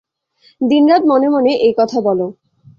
দিনরাত মনে মনে এ-কথা বল।